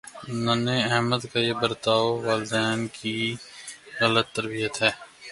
ننھے احمد کا یہ برتا والدین کی غلط تربیت ہے